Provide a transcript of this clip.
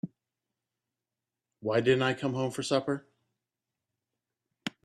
Why didn't I come home for supper?